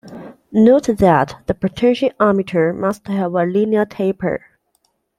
Note that the potentiometer must have a linear taper.